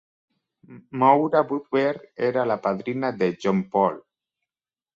Moura Budberg era la padrina de John Paul.